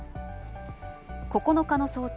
９日の早朝